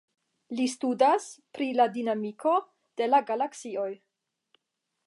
Li studas pri la dinamiko de la galaksioj.